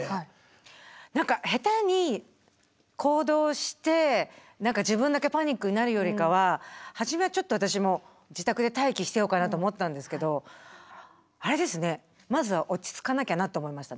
何か下手に行動して自分だけパニックになるよりかは初めはちょっと私も自宅で待機してようかなと思ったんですけどあれですねまずは落ち着かなきゃなと思いましたね。